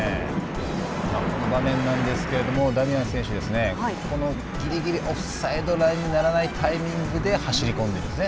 この場面なんですけどダミアン選手このぎりぎりオフサイドラインにならないタイミングで走り込んでいるんですね。